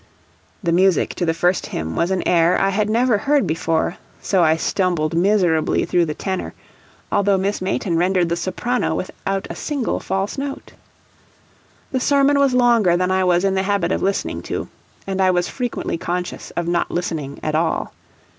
The music to the first hymn was an air I had never heard before, so I stumbled miserably through the tenor, although Miss Mayton rendered the soprano without a single false note. The sermon was longer than I was in the habit of listening to, and I was frequently conscious of not listening at all.